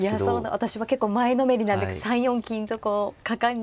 私は結構前のめりなんで３四金とこう果敢に。